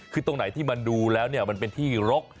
คือตรงไหนที่มันดูแล้วเนี่ยมันเป็นที่รก